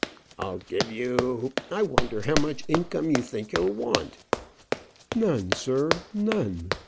"I'll give you I wonder how much income you think you'll want?" "None, sir; none.